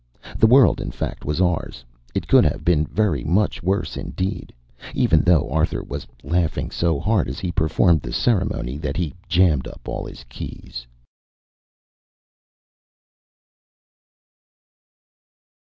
The world, in fact, was ours. It could have been very much worse indeed, even though Arthur was laughing so hard as he performed the ceremony that he jammed up all his keys.